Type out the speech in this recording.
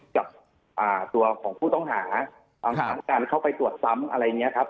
กับอ่าตัวของผู้ต้องหาครับการเข้าไปตรวจสำอะไรเนี้ยครับ